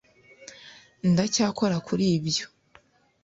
Ndacyakora kuri ibyo